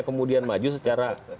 kemudian maju secara